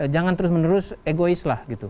jangan terus menerus egois lah gitu